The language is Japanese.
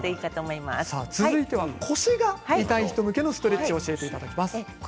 続いて腰が痛い人向けのストレッチを教えてください。